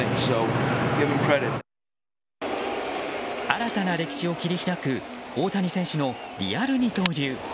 新たな歴史を切り開く大谷選手のリアル二刀流。